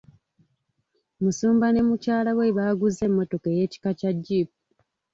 Musumba ne mukyalawe baaguze emmotoka ey'ekika kya Jjipu.